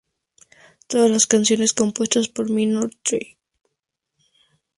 Todas las canciones compuestas por Minor Threat.